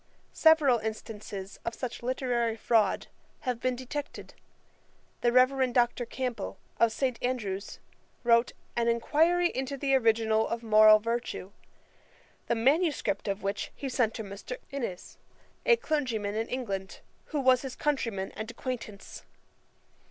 Several instances of such literary fraud have been detected. The Reverend Dr. Campbell, of St. Andrew's, wrote An Enquiry into the original of Moral Virtue, the manuscript of which he sent to Mr. Innes, a clergyman in England, who was his countryman and acquaintance.